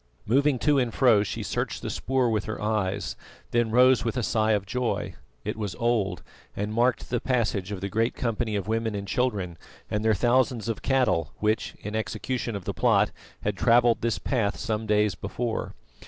Moving to and fro she searched the spoor with her eyes, then rose with a sigh of joy. It was old, and marked the passage of the great company of women and children and their thousands of cattle which, in execution of the plot, had travelled this path some days before.